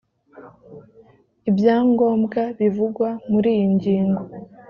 ibyangombwa bivugwa muri iyi ngingo